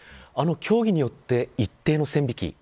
あの協議によって一定の線引き。